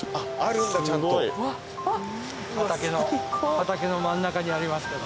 畑の真ん中にありますから。